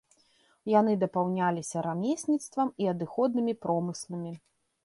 Яны дапаўняліся рамесніцтвам і адыходнымі промысламі.